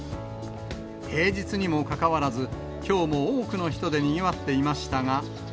平日にもかかわらず、きょうも多くの人でにぎわっていましたが。